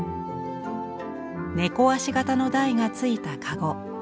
猫足型の台がついたかご。